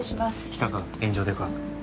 来たか炎上デカ。